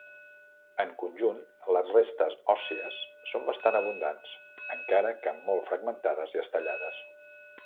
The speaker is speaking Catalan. En conjunt, les restes òssies són bastant abundants, encara que molt fragmentades i estellades.